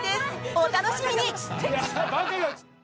お楽しみに！